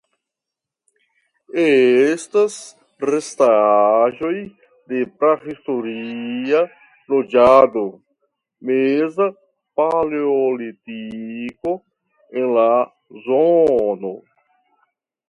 Estas restaĵoj de prahistoria loĝado (Meza Paleolitiko) en la zono.